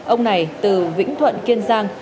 ông này từ vĩnh thuận kiên giang